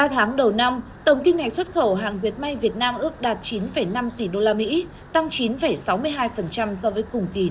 ba tháng đầu năm tổng kim ngạch xuất khẩu hàng diệt may việt nam ước đạt chín năm tỷ usd tăng chín sáu mươi hai so với cùng kỳ